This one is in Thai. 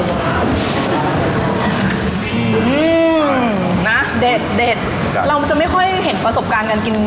เหมือนะเด็ดเด็ดใช่ค่ะเราจะไม่ค่อยเห็นประสบการณ์กันกิน